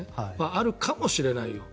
あるかもしれないよ。